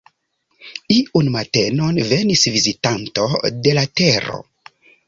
Iun matenon venis vizitanto de la Tero.